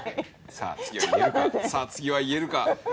さぁ次は言えるか？